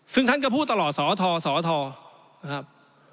ซึ่งท่านก็พูดตลอดสทสทนะครับ